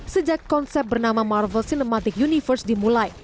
sejak konsep bernama marvel cinematic universe dimulai